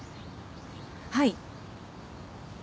はい。